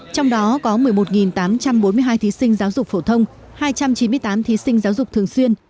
trong đó có một mươi một tám trăm bốn mươi hai thí sinh giáo dục phổ thông hai trăm chín mươi tám thí sinh giáo dục thường xuyên